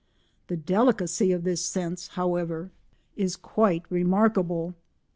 The delicacy of this sense, however, is quite remarkable.